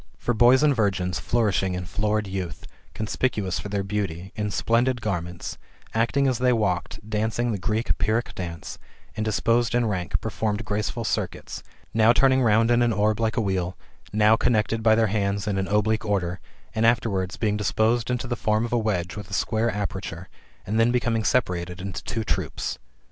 For boys and virgins, flourishing in florid youth, conspicuous for their beauty, in splendid garments, acting as they walked, dancing the Greek Pyrrhic dance,^^ and disposed in ranks, performed graceful circuits ; now turning round in an orb like a wheel, now connected by their hands in an oblique order, and afterwards, being disposed into the form of a wedge with a square aperture, and then becoming separated into two troops.